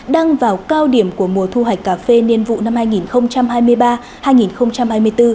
đang vào cao điểm của mùa thu hoạch cà phê niên vụ năm hai nghìn hai mươi ba hai nghìn hai mươi bốn